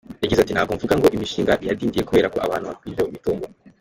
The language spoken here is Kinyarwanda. Yagize ati”Ntabwo mvuga ngo imishinga yadindiye kubera ko abantu bigwijeho imitungo.